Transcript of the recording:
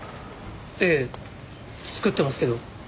ええ作ってますけど。